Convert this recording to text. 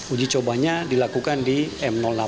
uji cobanya dilakukan di m delapan